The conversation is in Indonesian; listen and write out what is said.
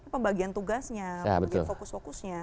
pembagian tugasnya pembagian fokus fokusnya